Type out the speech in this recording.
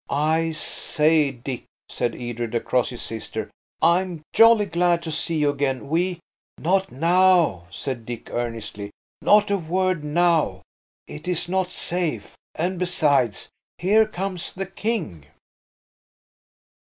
"I say, Dick," said Edred across his sister, "I am jolly glad to see you again. We–" "Not now," said Dick earnestly; "not a word now. It is not safe. And besides–here comes the King!"